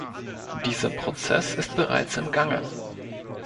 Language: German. Dieser Prozess ist bereits im Gange.